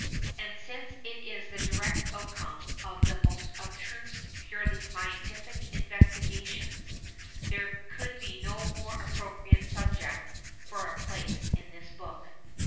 And since it is the direct outcome of the most abstruse, purely scientific investigations, there could be no more appropriate subject for a place in this book.